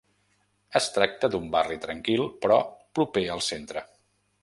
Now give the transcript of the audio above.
Es tracta d'un barri tranquil però proper al centre.